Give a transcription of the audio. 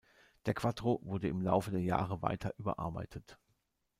Der quattro wurde im Laufe der Jahre weiter überarbeitet.